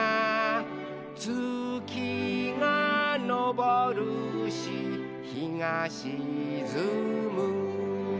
「つきがのぼるしひがしずむ」